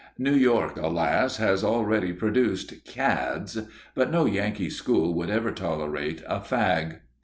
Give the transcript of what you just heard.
New York, alas, has already produced "cads," but no Yankee school would ever tolerate a "fag."